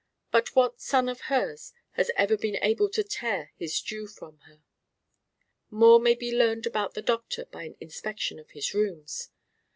But what son of hers has ever been able to tear his due from her! More may be learned about the doctor by an inspection of his rooms.